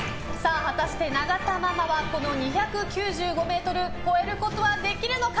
果たして永田ママは２９５ｍ超えることはできるのか。